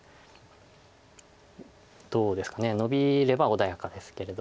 どうですかノビれば穏やかですけれど。